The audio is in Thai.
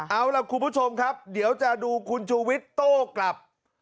เอาล่ะคุณผู้ชมครับเดี๋ยวจะดูคุณชูวิทย์โต้กลับ